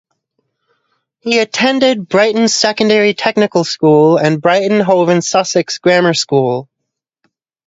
He attended Brighton Secondary Technical School and Brighton, Hove and Sussex Grammar School.